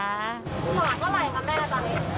ส่วนหลักเท่าไรคะแม่ตอนนี้